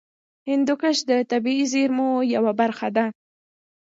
هندوکش د طبیعي زیرمو یوه برخه ده.